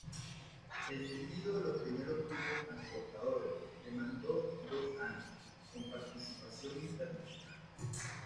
El tendido de los primeros tubos transportadores demandó dos años, con participación internacional.